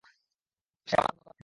সে আমার কোনো কথায় কান দিবে না।